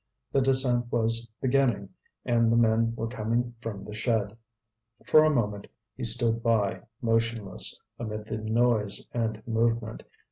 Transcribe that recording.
The descent was beginning, and the men were coming from the shed. For a moment he stood by, motionless amid the noise and movement.